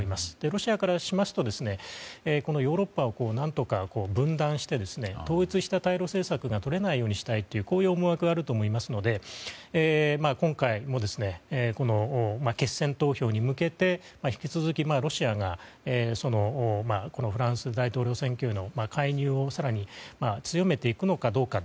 ロシアからしますとヨーロッパを何とか分断して統一した対露政策がとれないようにしたいという思惑があると思いますので今回も決選投票に向けて引き続きロシアがフランス大統領選挙への介入を更に強めていくのかどうか。